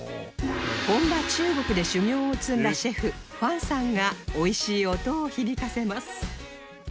本場中国で修業を積んだシェフファンさんが美味しい音を響かせます